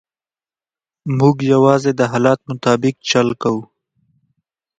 موږ یوازې د حالت مطابق چل کوو.